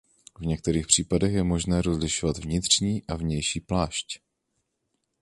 V některých případech je možné rozlišovat vnitřní a vnější plášť.